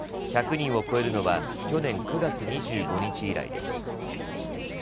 １００人を超えるのは去年９月２５日以来です。